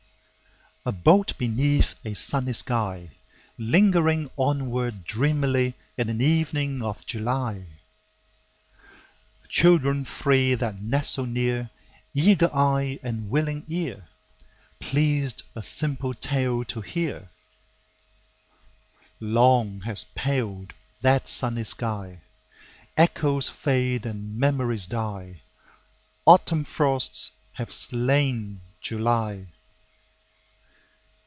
A boat beneath a sunny sky, Lingering onward dreamily In an evening of July— Children three that nestle near, Eager eye and willing ear, Pleased a simple tale to hear— Long has paled that sunny sky: Echoes fade and memories die. Autumn frosts have slain July.